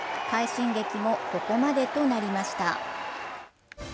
快進撃もここまでとなりました。